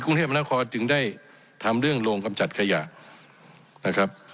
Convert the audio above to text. กรุงเทพมนาคอนจึงได้ทำเรื่องโรงกำจัดขยะนะครับ